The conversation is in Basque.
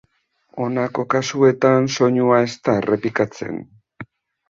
Honako kasuetan soinua ez da errepikatzen.